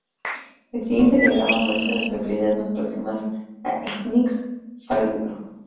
El siguiente diagrama muestra a las localidades más próximas a Knik-Fairview.